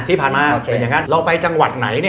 ที่ผ่านมาโอเคอย่างนั้นเราไปจังหวัดไหน